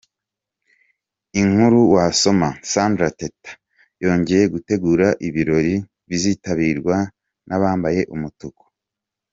Inkuru wasoma: Sandra Teta yongeye gutegura ibirori bizitabirwa n’abambaye umutuku.